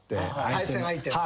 対戦相手の？